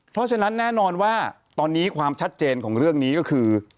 เพราะฉะนั้นแน่นอนว่าตอนนี้ความชัดเจนของเรื่องนี้ก็คือ